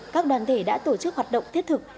các đoàn thể đã tổ chức hoạt động thiết thực